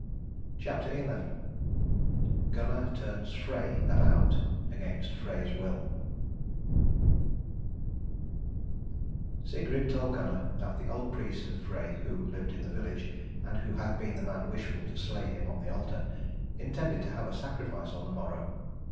CHAPTER XI GUNNAR TURNS FREY ABOUT AGAINST FREY'S WILL Sigrid told Gunnar that the old priest of Frey who lived in the village, and who had been the man wishful to slay him on the altar, intended to have a sacrifice on the morrow.